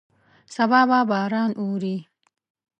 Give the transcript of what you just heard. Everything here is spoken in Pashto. سبا به باران ووري.